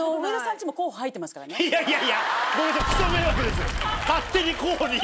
いやいやいやごめんなさい。